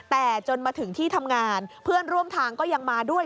แต่จนมาถึงที่ทำงานเพื่อนร่วมทางก็ยังมาด้วย